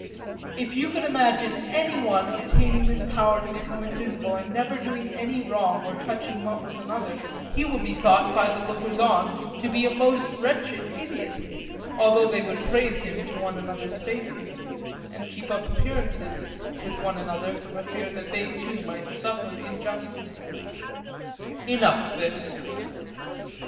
If you could imagine any one obtaining this power of becoming invisible, and never doing any wrong or touching what was another's, he would be thought by the lookers on to be a most wretched idiot, although they would praise him to one another's faces, and keep up appearances with one another from a fear that they too might suffer injustice. Enough of this.